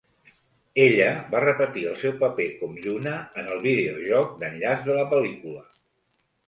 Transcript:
Ella va repetir el seu paper com Lluna en el videojoc d'enllaç de la pel·lícula.